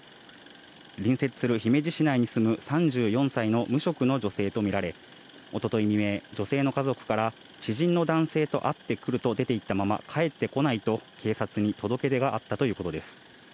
隣接する姫路市内に住む３４歳の無職の女性と見られ、おととい未明、女性の家族から、知人の男性と会ってくると出ていったまま帰ってこないと、警察に届け出があったということです。